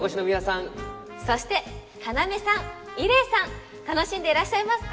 そして要さん伊礼さん楽しんでいらっしゃいますか？